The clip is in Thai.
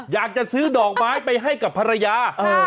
อยากจะซื้อดอกไม้ไปให้กับภรรยา